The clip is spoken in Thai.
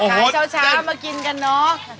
เช้ามากินกันเนอะ